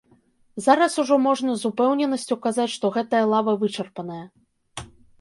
Зараз ужо можна з упэўненасцю казаць, што гэтая лава вычарпаная.